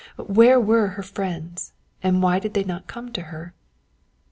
Where were her friends, and why did they not come to her?